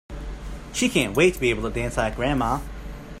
She can't wait to be able to dance like grandma!